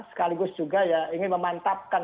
sekaligus juga ya ingin memantapkan